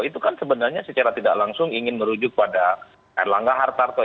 itu kan sebenarnya secara tidak langsung ingin merujuk pada erlangga hartarto